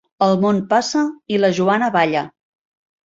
El món passa i la Joana balla.